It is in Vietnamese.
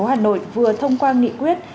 hà nội vừa thông qua nghị quyết